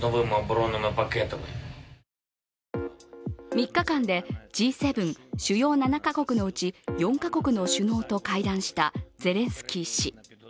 ３日間でＧ７＝主要７か国のうち４か国の首脳と会談したゼレンスキー氏。